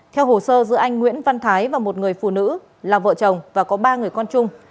theo hồ sơ giữa anh nguyễn văn thái và một người phụ nữ là vợ chồng và có ba người con chung